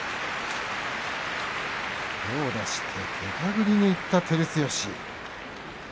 手を出してけたぐりにいった照強。